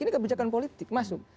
ini kebijakan politik masuk